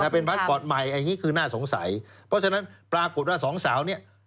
เพราะฉะนั้นปรากฏว่าสองสาวนี่